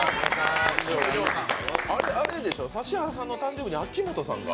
指原さんの誕生日に秋元さんが。